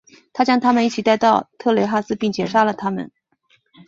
他将他们一起带到特哈雷斯并且杀了他们。